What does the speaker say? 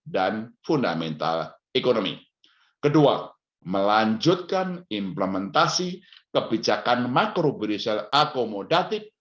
dan fundamental economy kedua melanjutkan implementasi kebijakan makro budisil akomodatif